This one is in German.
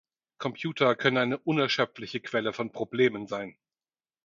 Computer können eine unerschöpfliche Quelle von Problemen sein.